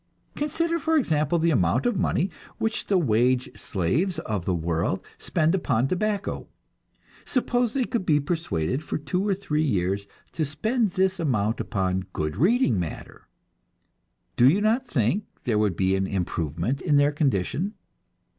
Consider, for example, the amount of money which the wage slaves of the world spend upon tobacco. Suppose they could be persuaded for two or three years to spend this amount upon good reading matter do you not think there would be an improvement in their condition?